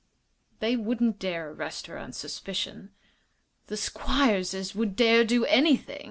"They wouldn't dare arrest her on suspicion." "The Squierses would dare do anything.